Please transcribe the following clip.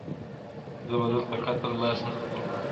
زه به دلته قتل باسم د خپلوانو.